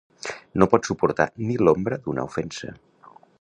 No pot suportar ni l'ombra d'una ofensa.